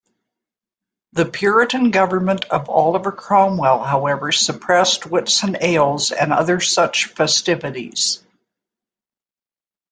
The Puritan government of Oliver Cromwell, however, suppressed Whitsun Ales and other such festivities.